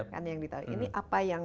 kan yang ditaruh ini apa yang